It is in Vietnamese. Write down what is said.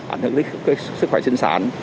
ảnh hưởng tới sức khỏe sinh sản